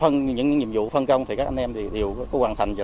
phân những nhiệm vụ phân công thì các anh em đều hoàn thành